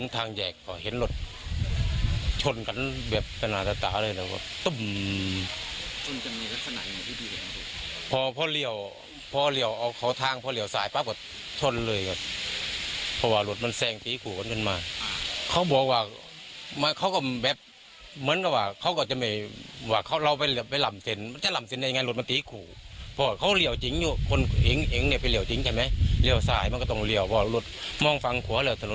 ตอนนี้ก็นี่ว่าเขาเล่าไปลำเซนจะลำเซนกี่อย่างงานรถมันติดขู่